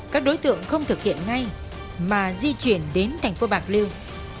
các đối tượng không thực hiện ngay mà di chuyển đến thành phố bạc liêu